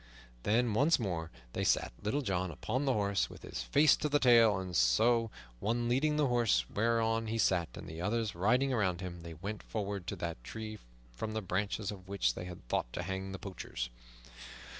Then once more they sat Little John upon the horse, with his face to the tail, and so, one leading the horse whereon he sat and the others riding around him, they went forward to that tree from the branches of which they had thought to hang the poachers.